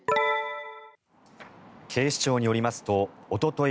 警視庁によりますとおととい